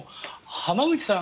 浜口さん